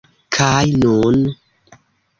Kaj nun...